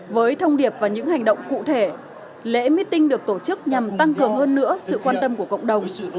với thông điệp và những hành động cụ thể lễ meeting được tổ chức nhằm tăng cường hơn nữa sự quan tâm của cộng đồng